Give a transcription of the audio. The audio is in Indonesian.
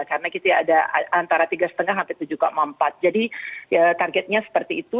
karena kita ada antara tiga lima sampai tujuh empat jadi targetnya seperti itu